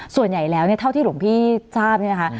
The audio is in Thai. ส่วนใหญ่แล้วเนี่ยเท่าที่หลวงพี่ทราบเนี่ยนะคะ